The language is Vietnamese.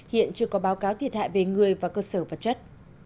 hiện chưa có báo cáo thiệt hại về người và cơ sở vật chất